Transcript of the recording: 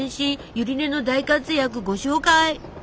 ゆり根の大活躍ご紹介！